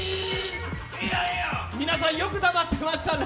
皆さんよく我慢できましたね。